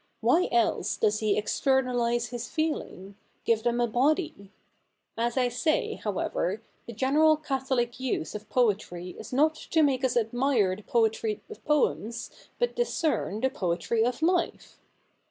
Why else does he externalise his feelings — give them a body? As I say, however, the general catholic use of poetry is not to make us admire the poetry of poems but discern the poetry of life.